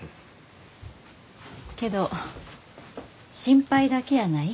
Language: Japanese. けど心配だけやない。